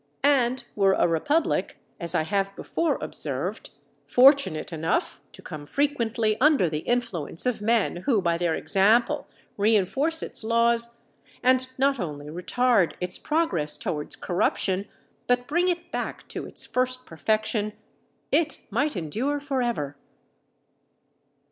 And were a republic, as I have before observed, fortunate enough to come frequently under the influence of men who, by their example, reinforce its laws, and not only retard its progress towards corruption, but bring it back to its first perfection, it might endure for ever.